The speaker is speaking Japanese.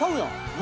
何？